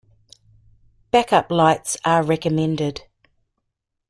Backup lights are recommended.